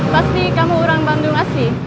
pasti kamu orang bandung masih